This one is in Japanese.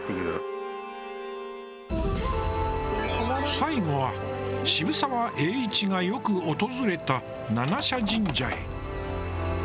最後は渋沢栄一がよく訪れた七社神社へ。